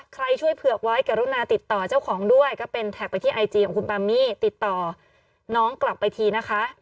ใครช่วยเผือกไว้กรุณาติดต่อเจ้าของด้วยก็เป็นแท็กไปที่ไอจีของคุณปามมี่ติดต่อน้องกลับไปทีนะคะ